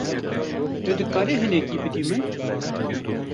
Tu dikarî hinekî bidî min?